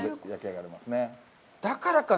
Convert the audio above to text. だからか。